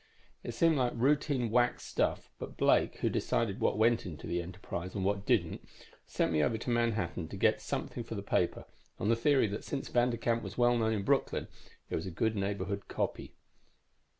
It seemed like routine whack stuff, but Blake, who decided what went into the Enterprise and what didn't, sent me over to Manhattan to get something for the paper, on the theory that since Vanderkamp was well known in Brooklyn, it was good neighborhood copy.